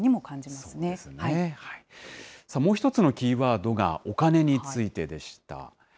そうですね、もう一つのキーワードが、お金についてでした。